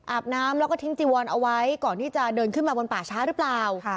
อาบน้ำแล้วก็ทิ้งจีวอนเอาไว้ก่อนที่จะเดินขึ้นมาบนป่าช้าหรือเปล่า